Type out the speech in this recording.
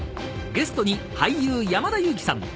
［ゲストに俳優山田裕貴さん